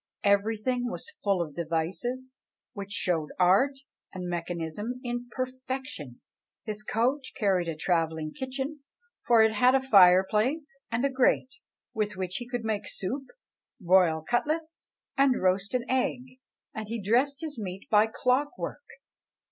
Everything was full of devices, which showed art and mechanism in perfection: his coach carried a travelling kitchen; for it had a fire place and grate, with which he could make a soup, broil cutlets, and roast an egg; and he dressed his meat by clock work.